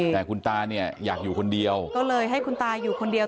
แต่คุณตาเนี่ยอยากอยู่คนเดียวก็เลยให้คุณตาอยู่คนเดียว